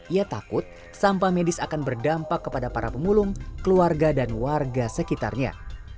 ia takut sampah medis akan berdampak kepada para pemulung keluarga dan warga sekitarnya